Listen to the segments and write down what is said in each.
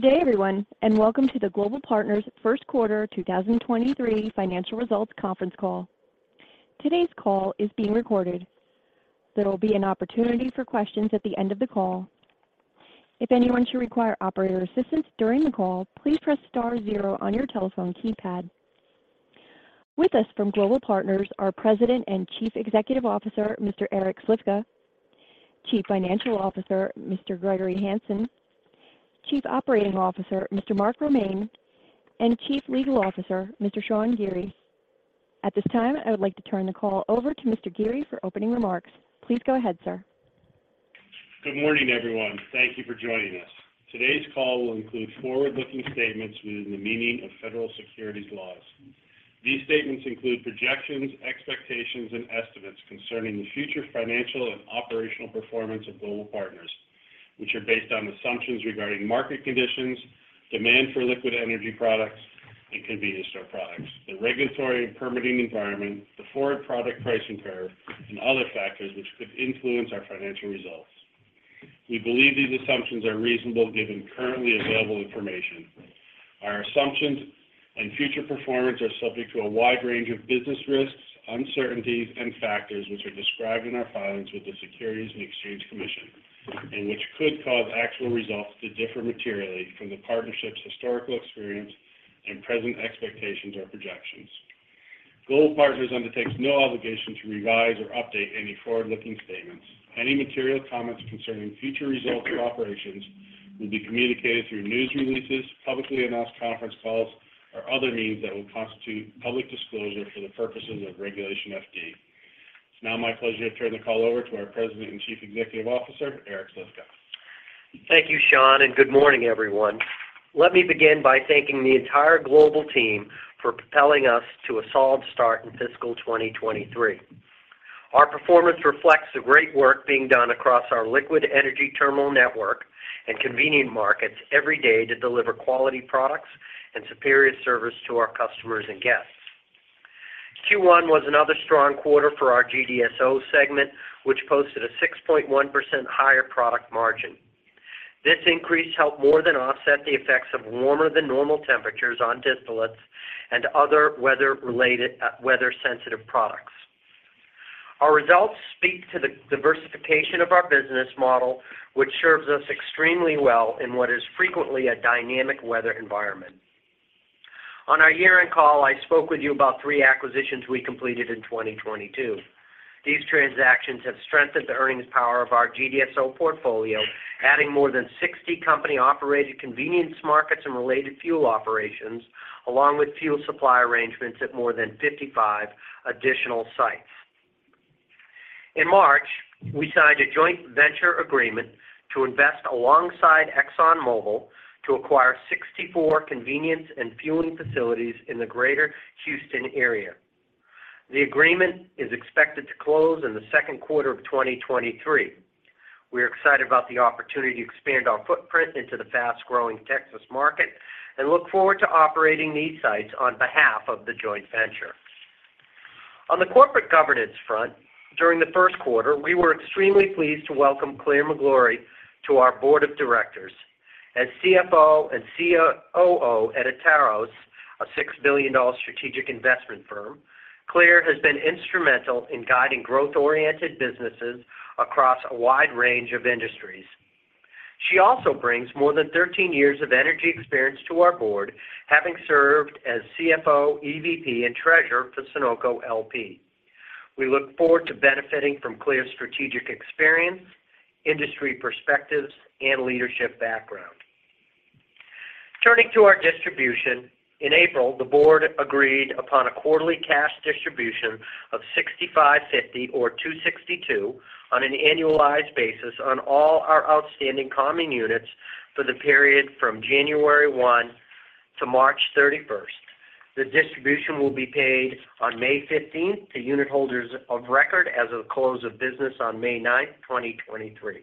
Good day, everyone, welcome to the Global Partners Q1 2023 financial results conference call. Today's call is being recorded. There will be an opportunity for questions at the end of the call. If anyone should require operator assistance during the call, please press star zero on your telephone keypad. With us from Global Partners are President and Chief Executive Officer, Mr. Eric Slifka, Chief Financial Officer, Mr. Gregory Hanson, Chief Operating Officer, Mr. Mark Romaine, and Chief Legal Officer, Mr. Sean Geary. At this time, I would like to turn the call over to Mr. Geary for opening remarks. Please go ahead, sir. Good morning, everyone. Thank you for joining us. Today's call will include forward-looking statements within the meaning of federal securities laws. These statements include projections, expectations, and estimates concerning the future financial and operational performance of Global Partners, which are based on assumptions regarding market conditions, demand for liquid energy products and convenience store products, the regulatory and permitting environment, the forward product pricing pair, and other factors which could influence our financial results. We believe these assumptions are reasonable given currently available information. Our assumptions and future performance are subject to a wide range of business risks, uncertainties and factors which are described in our filings with the Securities and Exchange Commission and which could cause actual results to differ materially from the partnership's historical experience and present expectations or projections. Global Partners undertakes no obligation to revise or update any forward-looking statements. Any material comments concerning future results or operations will be communicated through news releases, publicly announced conference calls, or other means that would constitute public disclosure for the purposes of Regulation FD. It's now my pleasure to turn the call over to our President and Chief Executive Officer, Eric Slifka. Thank you, Sean. Good morning, everyone. Let me begin by thanking the entire Global team for propelling us to a solid start in fiscal 2023. Our performance reflects the great work being done across our liquid energy terminal network and convenient markets every day to deliver quality products and superior service to our customers and guests. Q1 was another strong quarter for our GDSO segment, which posted a 6.1% higher product margin. This increase helped more than offset the effects of warmer than normal temperatures on distillates and other weather-related, weather-sensitive products. Our results speak to the diversification of our business model, which serves us extremely well in what is frequently a dynamic weather environment. On our year-end call, I spoke with you about three acquisitions we completed in 2022. These transactions have strengthened the earnings power of our GDSO portfolio, adding more than 60 company-operated convenience markets and related fuel operations, along with fuel supply arrangements at more than 55 additional sites. In March, we signed a joint venture agreement to invest alongside ExxonMobil to acquire 64 convenience and fueling facilities in the Greater Houston area. The agreement is expected to close in the Q2 of 2023. We are excited about the opportunity to expand our footprint into the fast-growing Texas market and look forward to operating these sites on behalf of the joint venture. On the corporate governance front, during the Q1, we were extremely pleased to welcome Clare McGrory to our board of directors. As CFO and COO at Atairos, a $6 billion strategic investment firm, Clare has been instrumental in guiding growth-oriented businesses across a wide range of industries. She also brings more than 13 years of energy experience to our board, having served as CFO, EVP, and Treasurer for Sunoco LP. We look forward to benefiting from Clare's strategic experience, industry perspectives, and leadership background. Turning to our distribution, in April, the board agreed upon a quarterly cash distribution of $0.6550 or $2.62 on an annualized basis on all our outstanding common units for the period from January 1 to March 31st. The distribution will be paid on May 15th to unit holders of record as of the close of business on May 9th, 2023.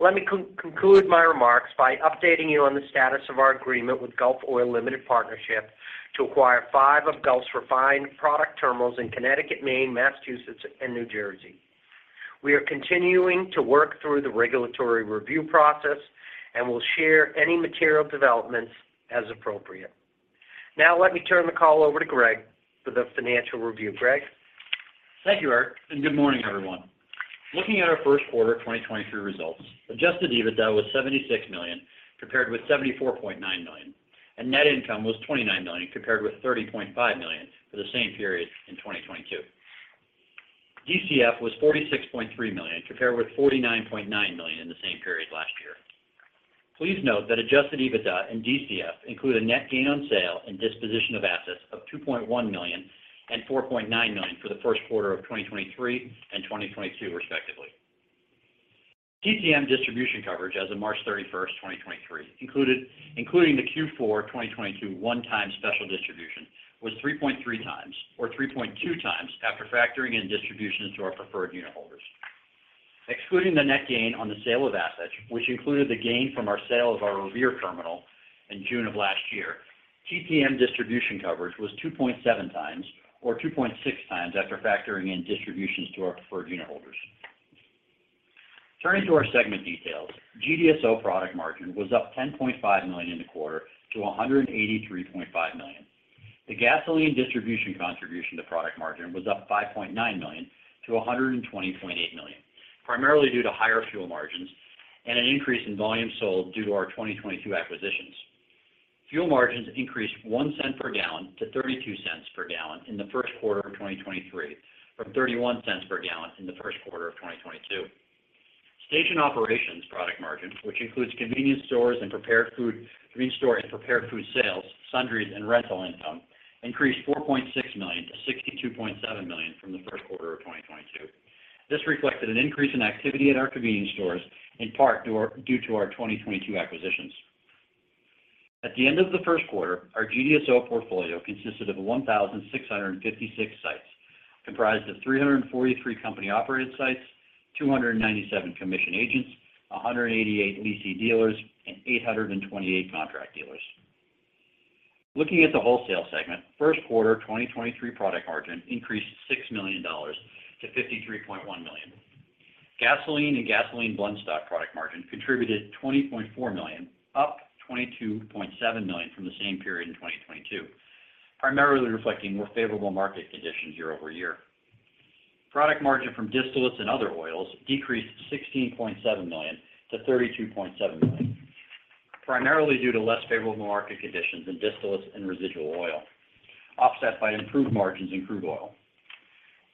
Let me conclude my remarks by updating you on the status of our agreement with Gulf Oil Limited Partnership to acquire 5 of Gulf's refined product terminals in Connecticut, Maine, Massachusetts, and New Jersey. We are continuing to work through the regulatory review process and will share any material developments as appropriate. Now, let me turn the call over to Greg for the financial review. Greg? Thank you, Eric. Good morning, everyone. Looking at our Q1 of 2023 results, Adjusted EBITDA was $76 million compared with $74.9 million, and Net Income was $29 million compared with $30.5 million for the same period in 2022. DCF was $46.3 million compared with $49.9 million in the same period last year. Please note that Adjusted EBITDA and DCF include a Net Gain on sale and disposition of assets of $2.1 million and $4.9 million for the Q1 of 2023 and 2022, respectively. TTM distribution coverage as of March 31st, 2023, including the Q4 of 2022 one-time special distribution was 3.3 times or 3.2 times after factoring in distributions to our preferred unit holders. Excluding the Net Gain on the sale of assets, which included the gain from our sale of our Revere terminal in June of last year, TTM distribution coverage was 2.7 times or 2.6 times after factoring in distributions to our preferred unit holders. Turning to our segment details, GDSO product margin was up $10.5 million in the quarter to $183.5 million. The gasoline distribution contribution to product margin was up $5.9 million to $120.8 million, primarily due to higher fuel margins and an increase in volume sold due to our 2022 acquisitions. Fuel margins increased $0.01 per gallon to $0.32 per gallon in the Q1 of 2023, from $0.31 per gallon in the Q1 of 2022. Station operations product margin, which includes convenience stores and prepared food sales, sundries, and rental income increased $4.6 million to $62.7 million from the Q1 of 2022. This reflected an increase in activity at our convenience stores, in part due to our 2022 acquisitions. At the end of the Q1, our GDSO portfolio consisted of 1,656 sites, comprised of 343 company-operated sites, 297 commission agents, 188 leasing dealers, and 828 contract dealers. Looking at the wholesale segment, Q1 2023 product margin increased $6 million to $53.1 million. Gasoline and gasoline blend stock product margin contributed $20.4 million, up $22.7 million from the same period in 2022, primarily reflecting more favorable market conditions year-over-year. Product margin from distillates and other oils decreased $16.7 million to $32.7 million, primarily due to less favorable market conditions in distillates and residual oil, offset by improved margins in crude oil.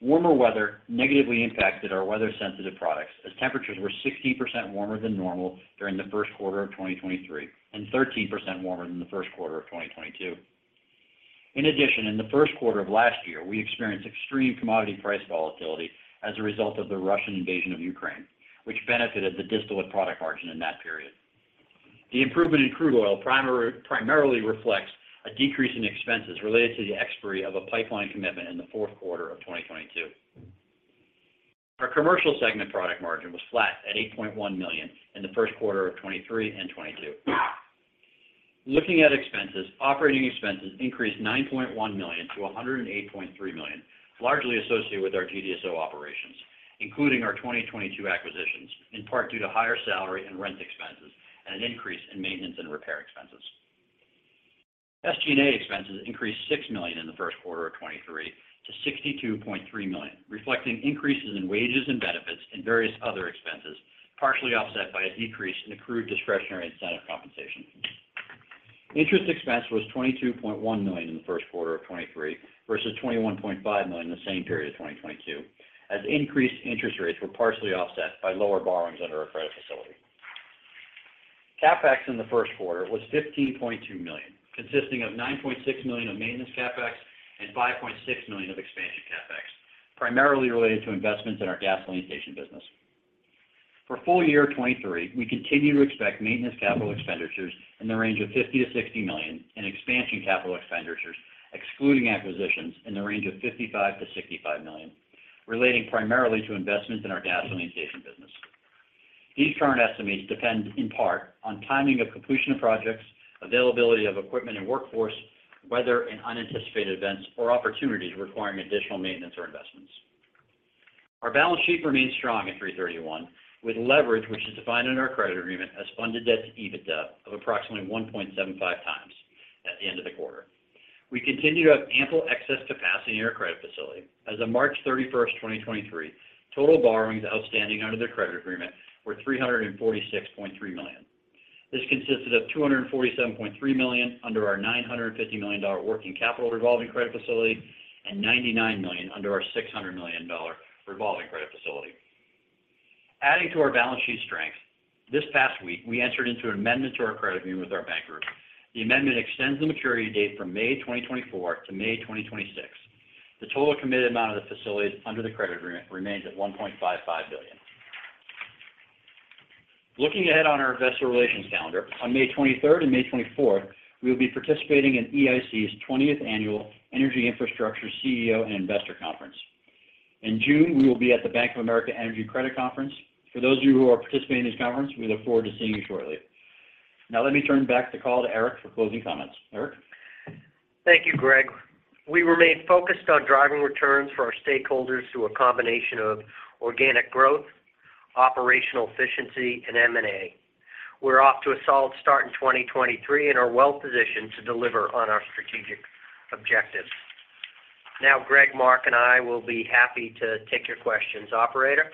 Warmer weather negatively impacted our weather-sensitive products as temperatures were 16% warmer than normal during the Q1 of 2023 and 13% warmer than the Q1 of 2022. In the Q1 of last year, we experienced extreme commodity price volatility as a result of the Russian invasion of Ukraine, which benefited the distillate product margin in that period. The improvement in crude oil primarily reflects a decrease in expenses related to the expiry of a pipeline commitment in the Q4 of 2022. Our commercial segment product margin was flat at $8.1 million in the Q1 of 2023 and 2022. Looking at expenses, operating expenses increased $9.1 million to $108.3 million, largely associated with our GDSO operations, including our 2022 acquisitions, in part due to higher salary and rent expenses and an increase in maintenance and repair expenses. SG&A expenses increased $6 million in the Q1 of 2023 to $62.3 million, reflecting increases in wages and benefits and various other expenses, partially offset by a decrease in accrued discretionary incentive compensation. Interest expense was $22.1 million in the Q1 of 2023 versus $21.5 million in the same period of 2022, as increased interest rates were partially offset by lower borrowings under our credit facility. Capex in the Q1 was $15.2 million, consisting of $9.6 million of maintenance Capex and $5.6 million of expansion Capex, primarily related to investments in our gasoline station business. For full year 2023, we continue to expect maintenance capital expenditures in the range of $50 million-$60 million and expansion capital expenditures excluding acquisitions in the range of $55 million-$65 million, relating primarily to investments in our gasoline station business. These current estimates depend in part on timing of completion of projects, availability of equipment and workforce, weather and unanticipated events or opportunities requiring additional maintenance or investments. Our balance sheet remains strong at March 31, with leverage, which is defined in our credit agreement as funded debt to EBITDA of approximately 1.75 times at the end of the quarter. We continue to have ample excess capacity in our credit facility. As of March 31, 2023, total borrowings outstanding under the credit agreement were $346.3 million. This consisted of $247.3 million under our $950 million working capital revolving credit facility and $99 million under our $600 million revolving credit facility. Adding to our balance sheet strength, this past week, we entered into an amendment to our credit agreement with our bank group. The amendment extends the maturity date from May 2024 to May 2026. The total committed amount of the facilities under the credit agreement remains at $1.55 billion. Looking ahead on our investor relations calendar, on May 23rd and May 24th, we will be participating in EIC's 20th annual Energy Infrastructure CEO & Investor Conference. In June, we will be at the Bank of America Energy Credit Conference. For those of you who are participating in this conference, we look forward to seeing you shortly. Let me turn back the call to Eric for closing comments. Eric? Thank you, Greg. We remain focused on driving returns for our stakeholders through a combination of organic growth, operational efficiency, and M&A. We're off to a solid start in 2023 and are well positioned to deliver on our strategic objectives. Greg, Mark, and I will be happy to take your questions. Operator?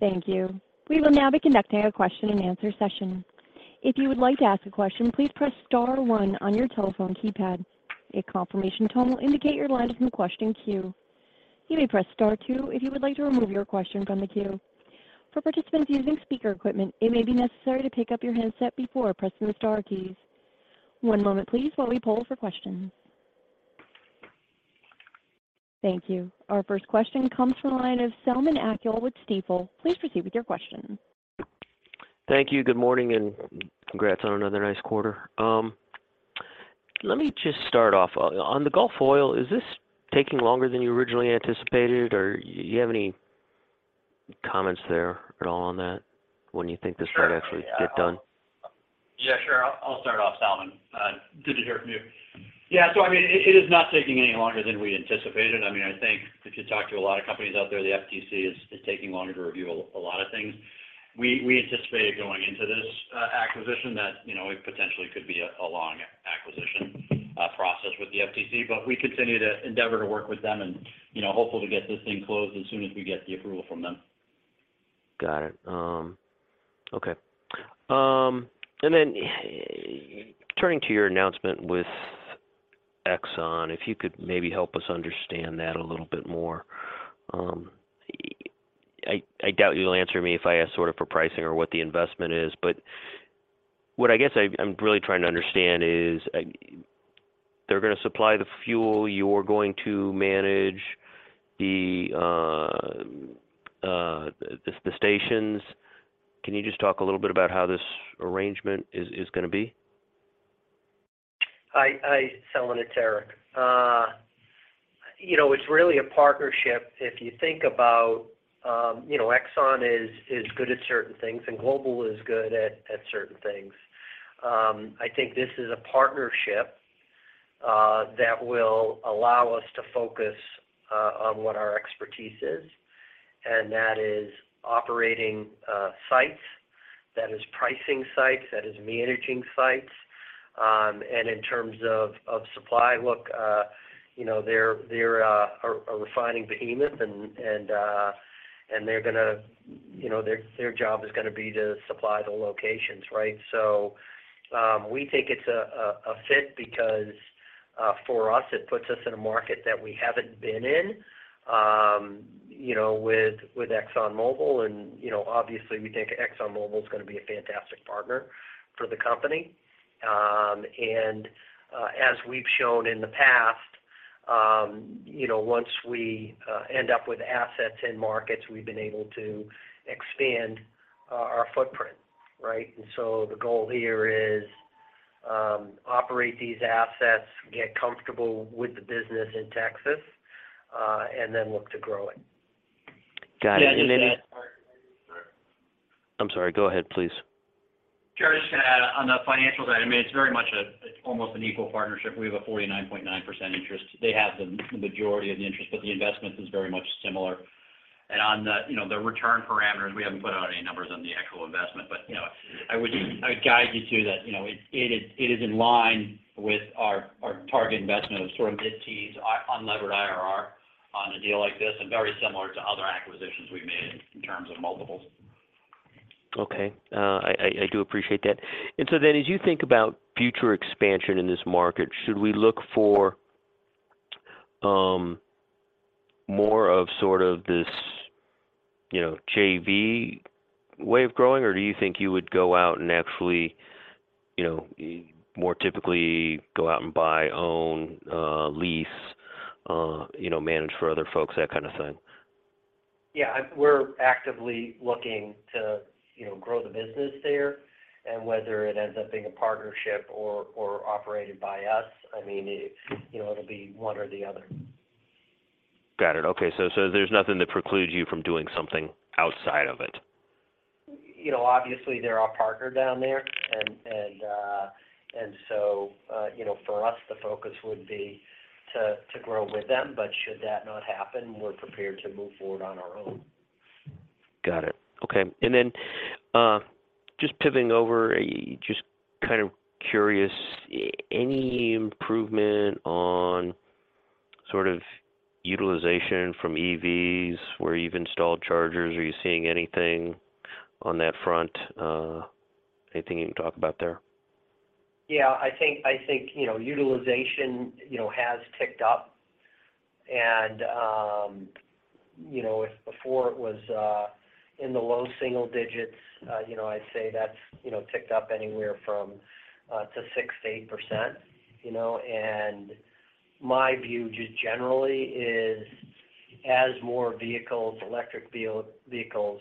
Thank you. We will now be conducting a question and answer session. If you would like to ask a question, please press star one on your telephone keypad. A confirmation tone will indicate your line is in the question queue. You may press star two if you would like to remove your question from the queue. For participants using speaker equipment, it may be necessary to pick up your handset before pressing the star keys. One moment please while we poll for questions. Thank you. Our first question comes from the line of Selman Akyol with Stifel. Please proceed with your question. Thank you. Good morning, congrats on another nice quarter. Let me just start off. On the Gulf Oil, is this taking longer than you originally anticipated, or do you have any comments there at all on that? When do you think this might actually get done? Sure. I'll start off, Selman. Good to hear from you. I mean, it is not taking any longer than we anticipated. I mean, I think if you talk to a lot of companies out there, the FTC is taking longer to review a lot of things. We anticipated going into this acquisition that, you know, it potentially could be a long acquisition process with the FTC, but we continue to endeavor to work with them and, you know, hopeful to get this thing closed as soon as we get the approval from them. Got it. Okay. Turning to your announcement with Exxon, if you could maybe help us understand that a little bit more. I doubt you'll answer me if I ask sort of for pricing or what the investment is, but what I guess I'm really trying to understand is, they're gonna supply the fuel, you're going to manage the stations. Can you just talk a little bit about how this arrangement is gonna be? Selman, it's Eric. You know, it's really a partnership. If you think about, you know, Exxon is good at certain things and Global is good at certain things. I think this is a partnership that will allow us to focus on what our expertise is, and that is operating sites. That is pricing sites. That is managing sites. In terms of supply, look, you know, they're a refining behemoth and they're gonna, you know, their job is gonna be to supply the locations, right? We think it's a fit because for us it puts us in a market that we haven't been in, you know, with ExxonMobil. You know, obviously we think ExxonMobil is gonna be a fantastic partner for the company. As we've shown in the past, you know, once we end up with assets in markets, we've been able to expand our footprint, right? The goal here is, operate these assets, get comfortable with the business in Texas, and then look to grow it. Got it. Yeah, I'd just add- I'm sorry. Go ahead, please. Sure. I'm just gonna add on the financial side, I mean, it's very much it's almost an equal partnership. We have a 49.9% interest. They have the majority of the interest, but the investment is very much similar. On the, you know, the return parameters, we haven't put out any numbers on the actual investment. You know, I would guide you to that, you know, it is in line with our target investment of sort of mid-teens on lever IRR on a deal like this and very similar to other acquisitions we've made in terms of multiples. Okay. I do appreciate that. As you think about future expansion in this market, should we look for more of sort of this, you know, JV way of growing, or do you think you would go out and actually, you know, more typically go out and buy own, lease, you know, manage for other folks, that kind of thing? Yeah. We're actively looking to, you know, grow the business there, and whether it ends up being a partnership or operated by us, I mean, it, you know, it'll be one or the other. Got it. Okay. There's nothing to preclude you from doing something outside of it? You know, obviously they're our partner down there. You know, for us, the focus would be to grow with them. Should that not happen, we're prepared to move forward on our own. Got it. Okay. Just pivoting over, just kind of curious, any improvement on sort of utilization from EVs where you've installed chargers? Are you seeing anything on that front? Anything you can talk about there? Yeah. I think, you know, utilization, you know, has ticked up and, you know, if before it was in the low single digits, you know, I'd say that's, you know, ticked up anywhere from 6%-8%, you know. My view just generally is as more vehicles, electric vehicles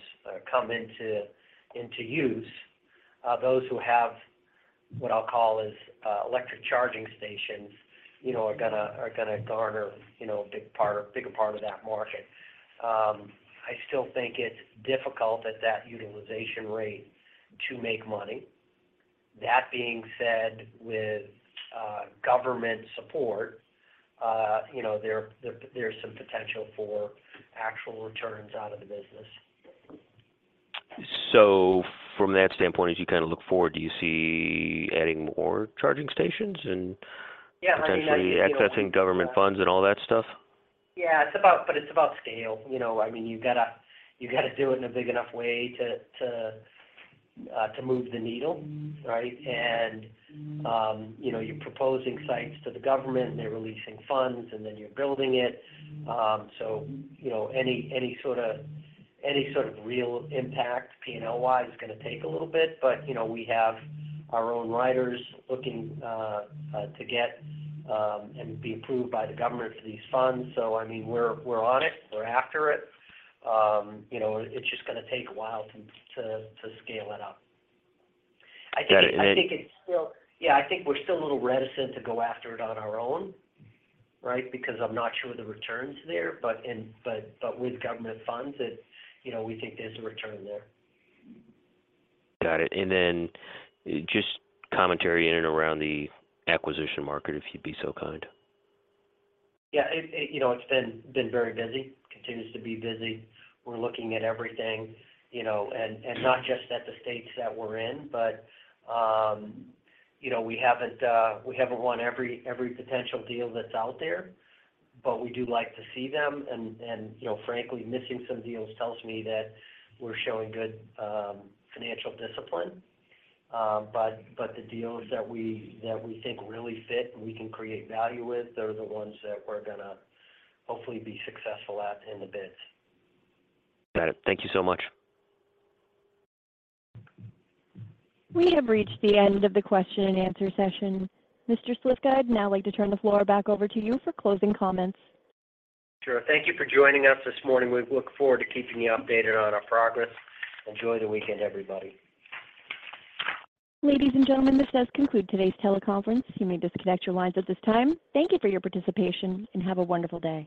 come into use, those who have what I'll call is electric charging stations, you know, are gonna garner, you know, a bigger part of that market. I still think it's difficult at that utilization rate to make money. That being said, with government support, you know, there's some potential for actual returns out of the business. From that standpoint, as you kind of look forward, do you see adding more charging stations and... Yeah. I mean.... potentially accessing government funds and all that stuff? It's about scale. You know, I mean, you gotta do it in a big enough way to move the needle, right? You know, you're proposing sites to the government and they're releasing funds, and then you're building it. You know, any sort of real impact P&L-wise is gonna take a little bit. You know, we have our own riders looking to get and be approved by the government for these funds. I mean, we're on it. We're after it. You know, it's just gonna take a while to scale it up. Got it. I think it's still... Yeah, I think we're still a little reticent to go after it on our own, right? Because I'm not sure the returns there, but with government funds, it, you know, we think there's a return there. Got it. Just commentary in and around the acquisition market, if you'd be so kind. You know, it's been very busy. Continues to be busy. We're looking at everything, you know, not just at the states that we're in, but, you know, we haven't, we haven't won every potential deal that's out there, but we do like to see them. You know, frankly, missing some deals tells me that we're showing good, financial discipline. The deals that we think really fit and we can create value with, they're the ones that we're gonna hopefully be successful at in the bids. Got it. Thank you so much. We have reached the end of the question and answer session. Mr. Slifka, I'd now like to turn the floor back over to you for closing comments. Sure. Thank you for joining us this morning. We look forward to keeping you updated on our progress. Enjoy the weekend, everybody. Ladies and gentlemen, this does conclude today's teleconference. You may disconnect your lines at this time. Thank you for your participation, and have a wonderful day.